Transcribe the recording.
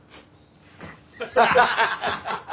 ハハハハ！